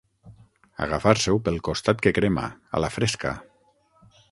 Agafar-s'ho pel costat que crema, a la fresca.